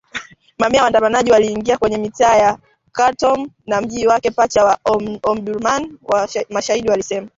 Mamia ya waandamanaji waliingia kwenye mitaa yote ya Khartoum na mji wake pacha wa Omdurman, mashahidi walisema.